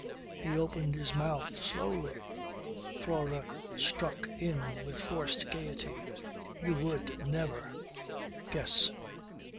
He opened his mouth slowly. Flora struck in with forced gaiety. "You would never, guess."